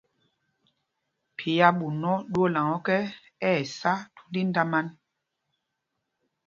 Phī ɛ̂ ɓuu nɔ ɗwoolaŋ ɔ́kɛ, ɛ́ ɛ́ sá thund índamān.